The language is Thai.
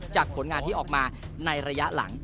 ผลงานที่ออกมาในระยะหลัง